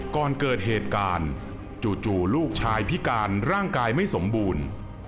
ก่อนเกิดเหตุการณ์จู่ลูกชายพิการร่างกายไม่สมบูรณ์